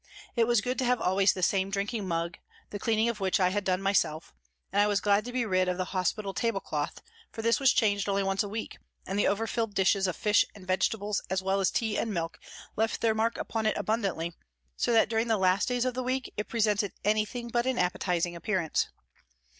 It was good to have always the same drinking mug, the cleaning of which I had done myself, and I was glad to be rid of the hospital tablecloth, for this was changed only once a week, and the over filled dishes of fish and vegetables, as well as tea and milk, left their mark upon it abundantly, so that during the last days of the week it presented anything but an appetising appearance.